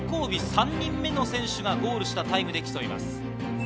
最後尾３人目の選手がゴールしたタイムで競います。